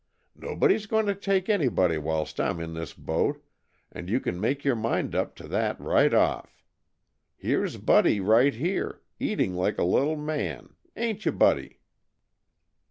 "Nobody's going to take nobody whilst I'm in this boat, and you can make your mind up to that right off. Here's Buddy right here, eating like a little man, ain't you, Buddy?"